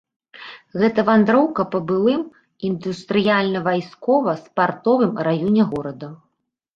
Гэта вандроўка па былым індустрыяльна-вайскова-спартовым раёне горада.